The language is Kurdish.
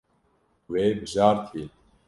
Wê bijartiye.